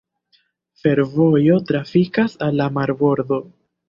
Fervojo trafikas al la marbordo.